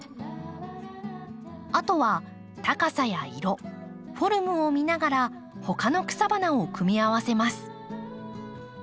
あとは高さや色フォルムを見ながらほかの草花を組み合わせます。